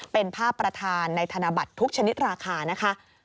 เป็นภาพประธานในธนบัตรทุกชนิดราคานะคะ